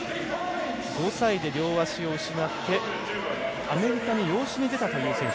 ５歳で両足を失ってアメリカに養子に出たという選手。